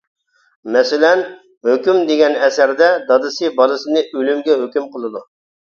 مەسىلەن، «ھۆكۈم» دېگەن ئەسەردە دادىسى بالىسىنى ئۆلۈمگە ھۆكۈم قىلىدۇ.